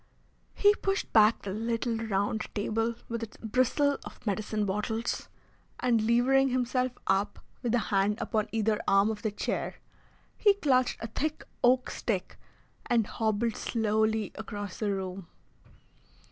He pushed back the little round table with its bristle of medicine bottles, and levering himself up with a hand upon either arm of the chair, he clutched a thick oak stick and hobbled slowly across the room.